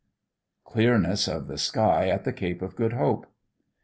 CLEARNESS OF THE SKY AT THE CAPE OF GOOD HOPE.